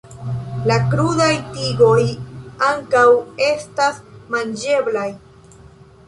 La krudaj tigoj ankaŭ estas manĝeblaj.